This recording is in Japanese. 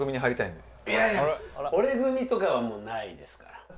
いやいや俺組とかはもうないですから。